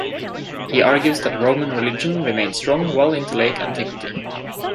He argues that Roman religion remained strong well into late antiquity.